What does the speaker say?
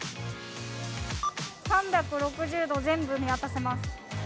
３６０度、全部見渡せます。